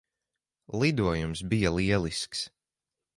Lidojums bija lielisks.